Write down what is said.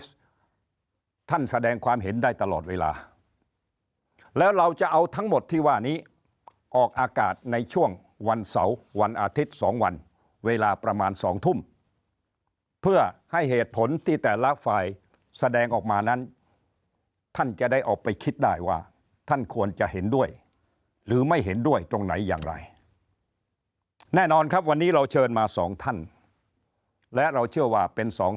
ไทยรัฐก็จัดรายการนี้ของไทยรัฐก็จัดรายการนี้ของไทยรัฐก็จัดรายการนี้ของไทยรัฐก็จัดรายการนี้ของไทยรัฐก็จัดรายการนี้ของไทยรัฐก็จัดรายการนี้ของไทยรัฐก็จัดรายการนี้ของไทยรัฐก็จัดรายการนี้ของไทยรัฐก็จัดรายการนี้ของไทยรัฐก็จัดรายการนี้ของไทยรัฐก็จัดรายการนี้ของไ